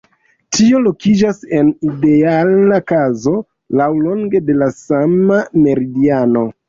Tio lokiĝas en ideala kazo laŭlonge de la sama meridiano.